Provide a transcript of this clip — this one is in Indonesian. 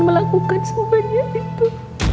melakukan semuanya itu